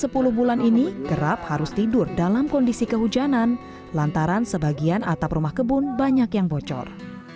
selama sepuluh bulan ini kerap harus tidur dalam kondisi kehujanan lantaran sebagian atap rumah kebun banyak yang bocor